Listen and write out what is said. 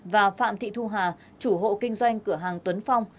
và phạm thị thu hà chủ hộ kinh doanh cửa hàng tuấn phong